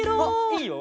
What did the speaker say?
いいよ！